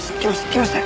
来ました！